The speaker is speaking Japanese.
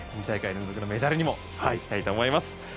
２大会連続のメダルにも期待したいと思います。